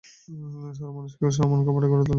সরল মানুষকেও আমরা কপট করে তুলি।